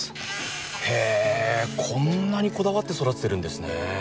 へぇこんなにこだわって育ててるんですね。